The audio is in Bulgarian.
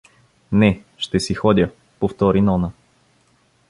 — Не, ще си ходя — повтори Нона.